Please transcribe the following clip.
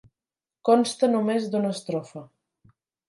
Consta només d'una estrofa.